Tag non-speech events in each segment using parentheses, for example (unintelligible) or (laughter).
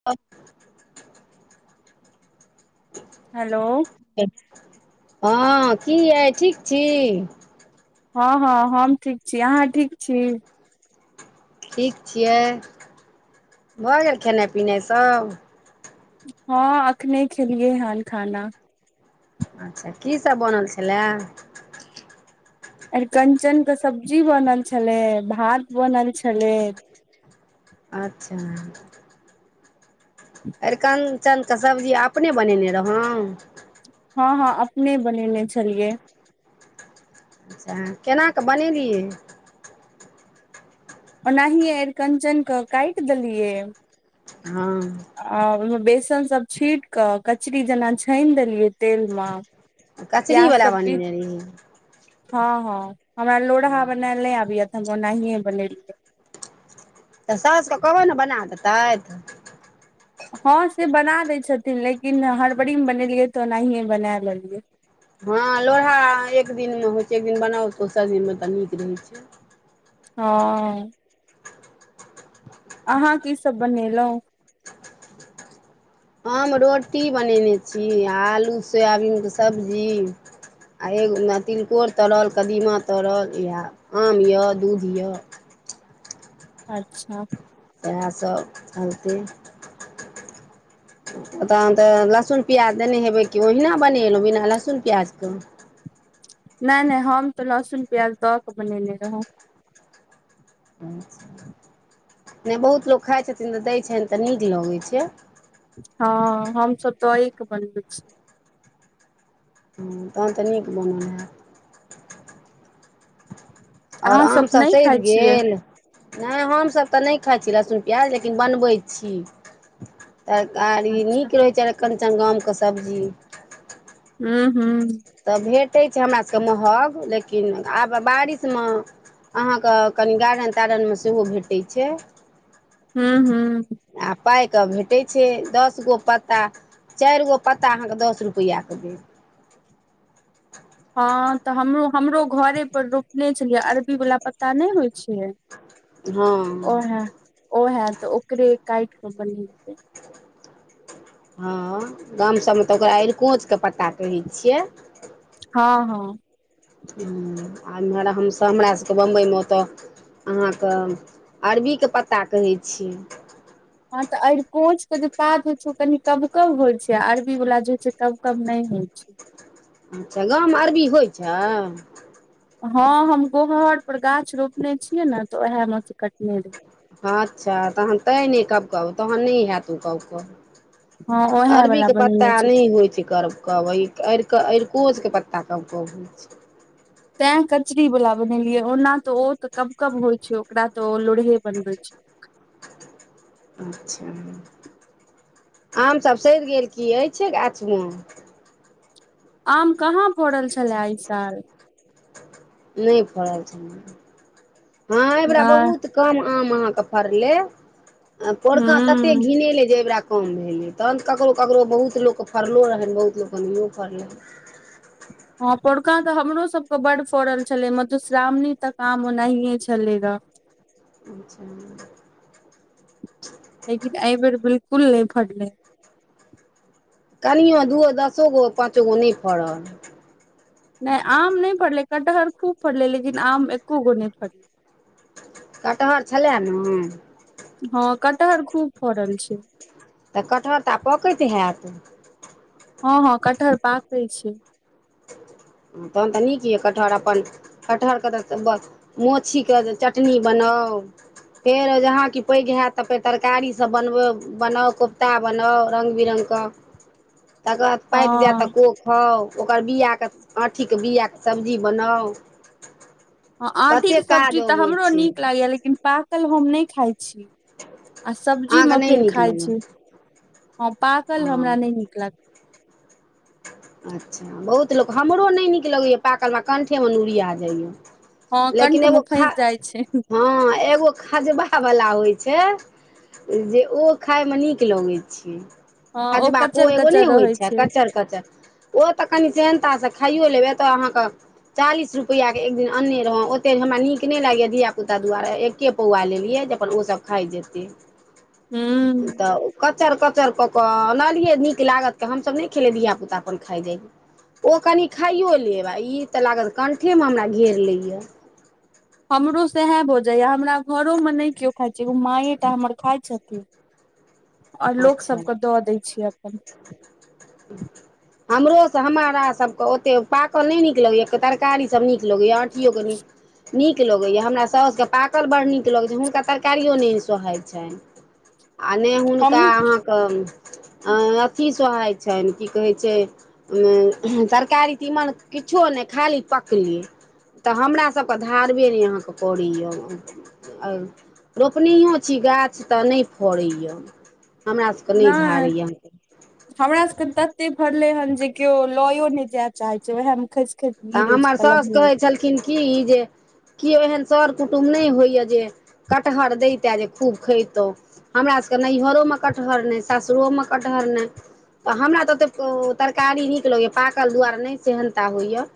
(unintelligible) (inaudible) Hello हँ की यै ठीक छी हँ हँ हम ठीक छी अहाँ ठीक छी ठीक छियै भऽ गेल खेनाइ पिनाइ सब हँ अखने खेलियै हन खाना अच्छा कीसभ बनल छलए अरिकंचन कऽ सब्जी बनल छले भात बनल छले अच्छा अरिकनचनके सब्जी अपने बनेने रहुँ हँ हँ अपने बनेने छलियै (inaudible) अच्छा केना कऽ बनेलियै ओनाहि आरिकंचन कऽ काटि देलियै हँ आ ओहिमे बेसन सब छीट कऽ कचरी जेना छानि देलियै तेल म प्याज कचरीवला सब किछ बनेने रहियै हँ हँ हमरा लोढ़हा बनायल नहि आबिय हम ओनाहिए बनेलियै तऽ साउसके कहबै न बना देतैथ हँ से बना दै छथिन लेकिन हड़बड़ी मे बनेलियै तऽ ओनाहिए बना लेलियै हँ लोरहा एक दिनमे होइ छै एक दिन बनाउ दोसर दिनमे तऽ नीक रहैत छै हँ अहाँ क सब बनेलहुँं हम रोटी बनेयने छी आलू सोयाबीनके सब्जी आओर एगो तिलकोर तरल कदीमा तरल या आम यऽ दूध यऽ अच्छा इएहस होलते तहन तऽ लहसुन प्याज देने हेबै कि ओहिना बनेलहुँ बिना लहसुन प्याजके नहि नहि हम तऽ लहसुन प्याज दऽ क बनेने रहौं (inaudible) नहि बहुत लोक खाइत छथिन तऽ दैत छैन तऽ नीक लगैत छै हँ हमसभ दएके बनबै छी हँ, तहन तऽ नीक बनल हइ आओर अहाँ सब आमसभ नहि खाइ सधि छियै गेल नहि हमसभ तऽ नहि खाइ छी लहसुन प्याज लेकिन बनबै छी तरकार ई अच्छा नीक रहै छै एरञ्चन गामके सब्जी हू हू तऽ भेटैत छै हमरा सभभके महग लेकिन आब बारिशमे अहाँके कनि गारन तारन मे सेहो भेटैत छै हूं हं आ पाइके भेटैत छै दस गो पत्ता चैगो पत्ता अहाँके दस रुपैआके दे (inaudible) हँ तऽ हमरो हमरो घरे पर रोपने छलियै अरबी वाल्ला पत्ता नहि होइ छ हँ ओ है तऽ ओकरे काटि क बनतै हँ गाम सबमे तऽ ओकरा अरिकोचके पता कहै छियै हँ हँ ह आ एम्हर हमसभ हमरा सभके बम्बइमे ओतय अहाँके अरबीके पत्ता कहै छी हँ तऽ अर कोंच के जे पाात होइ छै ओ कनि कब कब होइ छै अरबी वालला जे होइ छै कब कब नहि होइ छै अच्छा गाँवमे अरबी होइ छै हँ हम गोहर पर गाछ रोपने छियै ने तऽ ओएह मे से कटने रह अच्छा तखन तैँ नहि कबकब तहन नहि हैत ओ कब कब हँ ओएह अरबीक वाला के पप्ता बनेने छै नहि होइ छै कर कब आरि अरिकोसके पत्ता कब कब होइ छै तें कचरी वाल्ला बनेलिये ओना तऽ ओ तऽ कब कब होइ छै ओकरा तऽ ओ लोरहे बनबे छै अच्छा आमसभ सधि गेल की अछि गाछमे आम कहाँ फड़ल छलए एहि साल नहि फड़ल छै हँ एहिबेरा नहि बहुत कम आम अहाँके फड़लै पोरका तते हूँ घिने लै जेबरा कम भेलै तहन ककरो ककरो बहुत लोकके फड़लो रहनि बहुत लोकके नहियो फड़लै हँ पोड़का तऽ हमरो सबके बड फड़ल छलै मधुश्रावणी तक आम ओनाहिए छलै र अच्छा लेकिन एहिइ बेर बिल्कुल नहि फड़ल कनिओ दूओ दसो गो पाँचो गो नहि फड़ल नहि आम नहि फड़लै कटहर खूब फड़लै लेकिन आम एको गो नहि फड़लै कटहर छलै ने हँ कटहर खूब फरल छै तऽ कटहर त आब पकैत हैत हँ हँ कटहर पाकै छै तहन तऽ नीक यए कटहर अपन कटहरके तऽ बस माछीके जे चटनी बनाउ फेर जहाँ कि पैघ होयत तऽ फेर तरकारीसभ बनबै बनाउ कोफ्ता बनाउ रङ्ग बिरङ्गके तकर बाद पाकि जायत तऽ हँ को खाउ ओकर बआके आँठीके बआके सब्जी बनाउ हँ आँटीे कतेक काज सब्जी तऽ अबै हमरो छै नीक लागैया लेकिन पाकल हम नहि खाइत छी आ अहाँकेँ सब्जीमे नहि फेर नीक खाइ लगै छी ह पाकल हँ हमरा नहि नीक लागै अच्छा बहुत लोक हमरो नहि नीक लगैए पाकलमे कण्ठेमे नूरिया जाइए हँ लेकिन कंठ मे एगो खा फँसि जाइ छै हँ एगो खजबावला होइ छै जे ओ खाायमे नीक लगैत छै हँ ओ खजबाका को कचर एगो कचर नहि होइ रहै छै कचर क ओ तऽ कनि सेहनतासँ खाइयो लेबै एतय अहाँके चालीस रुपैआ के एक दिन अनने रहौं ओते हमरा नीक नहि लागैय धियापुता दुआारे के पौआ लेलियै जे अपन ओसभ खाइ जेतै हूँ तऽ कचर कचर कऽ कऽनियै नीक लागत के हमसभ नहि खेल धिया पूता अपन खाइ जाइ ओ कनि खाइयो लेब आ ई तऽ लागत कण्ठेमे हमरा घेर लैय हमरो साएह भऽ जाइया हमरा घरोमे नहि केओ खाइत छै एगो माए टा हमर खाइत छथिन आओर लोक अच्छा सबके दऽ दै छियै अपन ह (inaudible) हमरोसभ हमरासके ओतेक पाकल नहि नीक लगैए तरकारीसभ नीक लगैए आँटियओे नीक नीक लगैया हमरा सासुके पाकल बड़ नीक लगै छै हुनका तरकारियो नहि सहाैत छनि आ हुन हम क अथी सोहाइत छनि की कहै छै उ तरकारी तीमन किछो नहि खाली पकलिय तऽ हमरासभके धारबे नहि अहाँके परैए आ रोपनओ छी गाछ तऽ नहि फड़ैए हमरा सभकेँ नहि धारैय हमरा सभ के तते फरलै हेन जे केओ लयो नहि जाय चाहैत छै उएह मे खस की रहै छै कलम किन की जे केओ एहन सर कुटुम नहि होइया जे कटहल दैतै जे खूब खायतौ हमरा सभ के नैहरो मे कटहर नहि सासुरो मे कटहर नहि तऽ हमरा तऽ ओतेक तरकारी नीक लगैएा पाकल दुआर नहि सेहनता होइए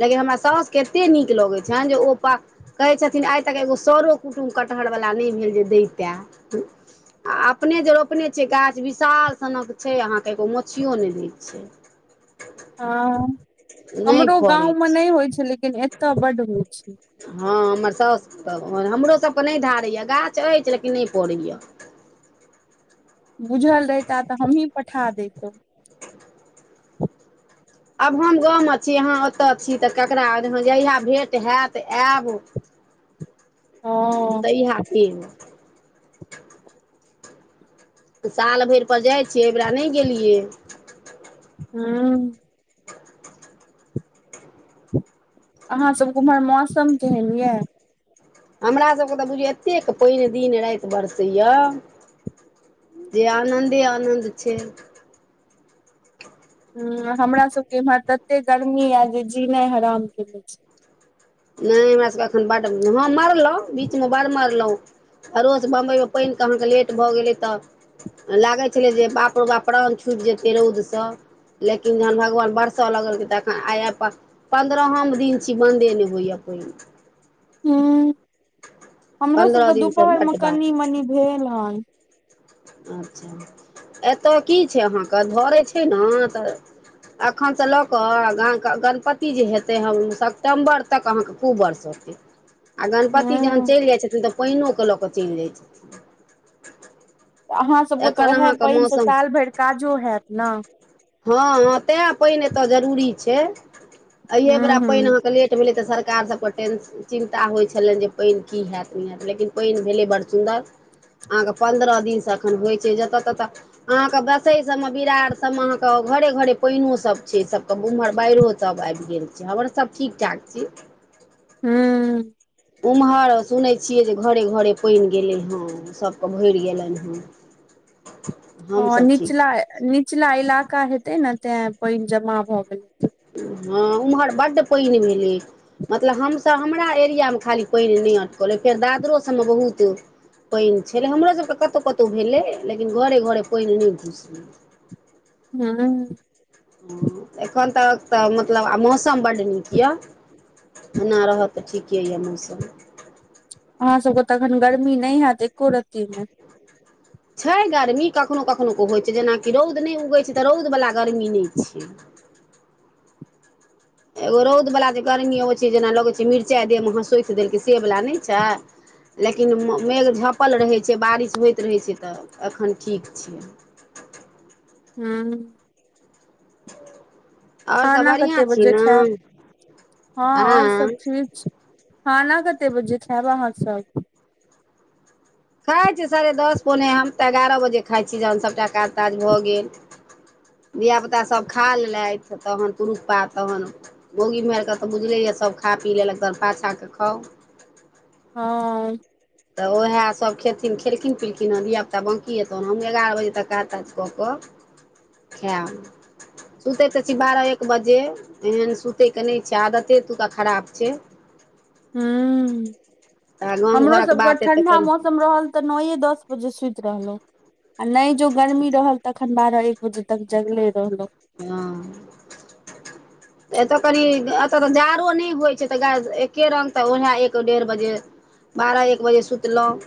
लेकिन हमरा सउसुकेँ एतेक नीक लगै छनि जे ओ पा कहै छथिन आइ तक एगो सरो कुटुम्ब कटहर वाला नहि भेल जे दैतै आ अपने जे रोपने छियै गाछ विशाल सनक छै अहाँ के एगो मोछियो नहि दै छै हँ नहि हमरो फड़ै गाँवमे छै नहि होइत छै लेकिन एतय बड्ड होइ छै हा हमर साउस हमरो सभ के नहि धारैए गाछ अछि लेकिन नहि पड़ैए बुझल रहिता तऽ हमहीँ पठा दैतहु आब हम गाँव मे छी अहाँ ओतय छी तऽ ककरा जहिया भेट हयत आयब हँ तभ हथी ह साल भरि पर जाइत छियै एहिबेर नहि गेलियै हु (inaudible) अहाँ सब ओम्हर मौसम केहन यए हमरा सभ के तऽ बुझियौ एतेक पाइन दिन राति बरसैए जे आनन्दे आनन्द छै ह हमरा सब के इम्हर तते गर्मी य जे जीना हराम के ल छै नहि हमरा सभके एखन बड्ड हँ मारलहुँ बीचमे बड मारलहुँ अरोस बम्बई मे पानि के अहाँ के लेट भऽ गेलै तऽ लागै छलै जे बाप रे बाप प्राण छुटि जेतै रौदसँ लेकिन जहन भगवान बरसो लगल के तखन आ पंन्द्रहन दिन छै बंदे नै हो या पईन हू हमरो पन्द्रह सबके दिनसँ दुपहरमे बड्ड कनि बारिश मनि भेल हन अच्छा एतय की छै अहाँके भरै छै ने तऽ अखनसँ लऽ कऽ गणपति जे हेतै हम सेप्टम्बर तक अहाँके खूब बरसत आ गणपति जखन हूँ चलि जाइ छथिन तऽ पइनो के लऽ कऽ चलि जाइत छथिन तऽ छथिन अहाँसभके तऽ एखन उएहे अहाँके पैन स मौसम साल भैर काजो हेत ने हँ तैं पैन एतय जरूरी छै अहि हूँ वरा पैन हूँ अहाँके ले ट भेले तऽ सरकार सब क टेन्शन चिन्ता होइ छलनि जे पयन की हैत नहि हैत लेकिन पयन भेलै बडड़ सुन्दर अहाँके पन्द्रह दिनसँ एखन होइ छै जतय ततय अहाँ के बसेई सब मे बिरार सब मे अहाँ के घरे घरे पइनो सब छै सब के उम्हर बैरहो सब आबि गेल छी हमर सब ठिक ठाक छी हू उम्हर सुनै छियै जे घरे घरे पैन गेलै हँ सभ के भरि गेलनि हे हँ निचला निचला इलाका हेतै ने तै पैन जमा भऽ गेल हँ उम्हर बड पईन भेलै मतलब हमसभ हमरा एरियामे खाली पैन नहि अटकल फेर दादरो सभमे बहुत पानि छलै हमरोसभके कतहु कतहु भेलै लेकिन घरे घरे पानि नहि घुसलै हँ हु एखन तक तऽ मतलब आ मौसम बड्ड नीक यए एना रहत तऽ ठीके यऽ मौसम अहाँ सब के तखन गर्मी नहि हेत एको रती नै छै गर्मी कखनो कखनो क होइत छै जेनाकि रौद नहि उगैत छै तऽ रौदवला गर्मी नहि छै एगो रौद ऊवला जे गर्मी होई छै जेना लगै छै मिर्चाई देह में हसोइत देलकै से वाला नहि छै लेकिन मेघ झपल रहै छै बारिश होइत रहै छै तऽ एखन ठीक छै हँ आओर सब खाना बढ़िआँ कते छी बजे ने खायब हाँ और हँ सब ठीक छै खाना कतेक बजे खायब अहाँ सब खाइत छी साढ़े दस पौने हम तऽ ग्यारह बजे खाइत छी जखन सभटा काज ताज भऽ गेल धिया पुता सभ खा लेलेथ तहन पुरुख पात तहन मोगी मेहर के तऽ बुझले यऽ सब खा पी लेलक तऽ पाछा केऽ खाउ हँ तऽ ओहे सब खेथिन खेलखिन पिलखिन हे धिया पुता बंकी हेतौन हमु एगार बजे तक काज तात कऽ केऽ खेब सुतैत तऽ छी बारह एक बजे एहन सुतयके नहि छै आदते एतुका खराब छै ह तऽ गाम हमरो घरक सबके बात एतऽ ठंडा कनि मौसम रहल तऽ नौए दस बजे सुइत रहलोउ नै जो गर्मी रहल तखन बारह एक बजे तक जगले रहलो हाँ एतय कनि एतय तऽ जाड़ो नहि होई छै तऽ गा एके रंग तऽ उएह एक डेढ़ बजे बारह एक बजे सुतलहुँ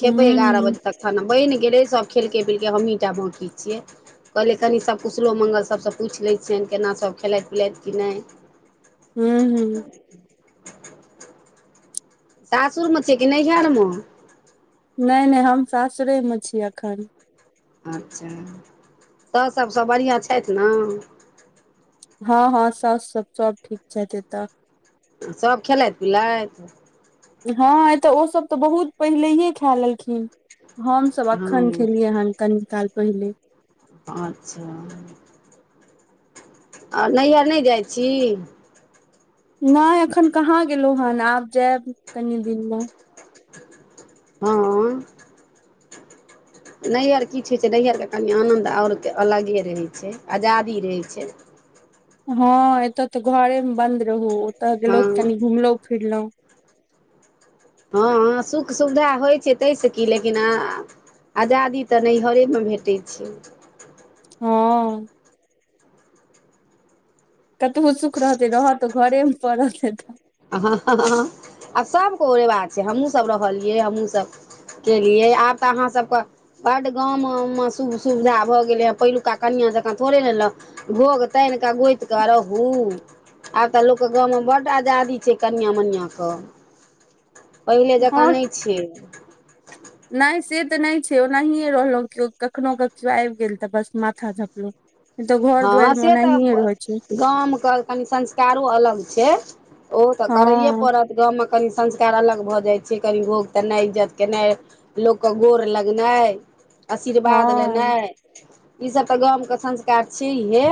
खेबै एगारह हूँ बजे तक खाना बैन गेलै सभ खेलकै पिलकै हमहीँ टा बाँकी छियै कहलिए कनि सब खुशलो मंगल सभ सँ पूछि लै छिय अनि केना सभ खेलाथि पिलथि कि नहि हू सासुर में छिय कि नैहर में नहि नहि हम सासुरेमे छी अखन अच्छा तऽ स सब सभ बढ़िआँ छैथ ना हँ हँ साउस सब सब ठीक छैतऽ सभ खेलैथि-पिलैथि? हँ एतय ओ सभ तऽ बहुत पहिलैइए खाए लेलखिन हम सभ एखन हँ खेलियै हन कनि काल पहिले अच्छा और नैहर नहि जाइत छी? नहि, अखन कहाँ गेलहुँ हन आब जायब कनि दिनमे हँ नैहर कि छै नैहरके कनि आनन्द और अलगे रहै छै, आजादी रहै छै। हँ एतय तऽ घरेमे बन्द रहू ओतय हँ गेलहुॅं तऽ कनी घुमलहुॅं-फिरलहुॅं हँ हँ सुख-सुविधा होइ छै तहिसँ की लेकिन आजादी तऽ नैहरेमे भेटै छै। हॅं कतबो सुख रहतै रहऽ तऽ घरेमे पड़त। आ सभ कऽ ओरेबाक छै हमहूँ सभ रहलियै हमहूँ सभ केलियै आब तऽ अहाँ सबके बड गाममे सुख-सुविधा भऽ गेलैहे, पहिलुका कनियाॅं जकाँ थोड़े ने घोघ तानि कऽ गोति कऽ रहू, आब तऽ लोकके गाँवमे बड्ड आजादी छैकनियाॅं-मनिआंके। पहिले जकाँ हँ नहि छै। नहि से तऽ नहि छै ओनाहिए रहलहुँ, केओ कखनो कऽ आबि गेल तऽ बस माथा झपलहुँ। नहि तऽ घर हाँ दुआरि मे से तऽ ओनाहिए रहै छै गामके कनी संस्कारो अलग छै। ओ तऽ करैयए हँ पड़त। गाममे कनि संस्कार अलग भऽ जाइ छै, कनि घोघ तननाइ, इज्जत केनाइ लोकके गोर लगनाइ आशीर्वाद हँ लेनाइ, ई सब तऽ गामके संस्कार छियैहे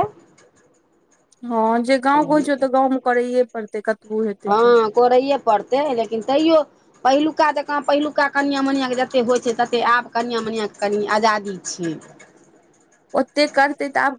हँ जे गाँंवके होइ छै तऽ गाँवमे करैए पड़तै कतबो हेतै तऽ हँ करैए पड़तै लेकिन तैयो पहिलुका जकाँ पहिलुका कनियाॅं-मनिआँके जतेक होइ छै तते आब कनियाॅं-मनिआँके कनि आजादी छै। ओते करतै तऽ आब